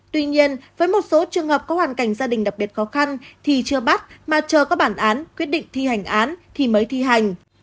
tuy nhiên với một số trường hợp có hoàn cảnh gia đình đặc biệt khó khăn thì chưa bắt mà chờ có bản án quyết định thi hành án thì mới thi hành